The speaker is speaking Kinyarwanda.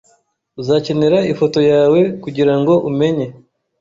Uzakenera ifoto yawe kugirango umenye.